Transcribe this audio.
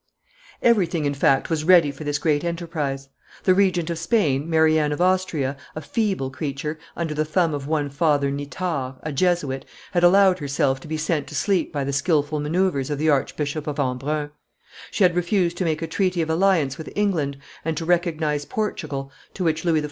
Everything, in fact, was ready for this great enterprise: the regent of Spain, Mary Anne of Austria, a feeble creature, under the thumb of one Father Nithard, a Jesuit, had allowed herself to be sent to sleep by the skilful manoeuvres of the Archbishop of Embrun; she had refused to make a treaty of alliance with England and to recognize Portugal, to which Louis XIV.